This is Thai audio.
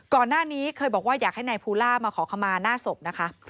ก่อนหน้านี้เคยบอกว่าอยากให้นายภูล่ามาขอขมาหน้าศพนะคะ